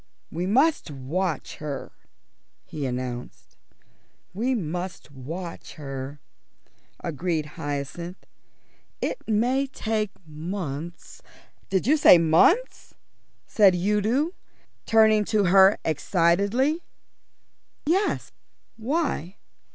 "We must watch her," he announced. "We must watch her," agreed Hyacinth. "It may take months " "Did you say months?" said Udo, turning to her excitedly. "Yes, why?"